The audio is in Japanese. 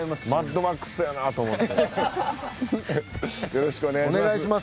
よろしくお願いします。